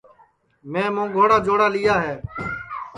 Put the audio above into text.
میں مونٚگوڑا جوڑا لیا ہے